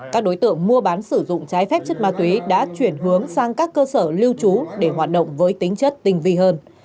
các đối tượng mua bán sử dụng trái phép chất ma túy đã chuyển hướng sang các cơ sở lưu trú để hoạt động với tính chất tinh vi hơn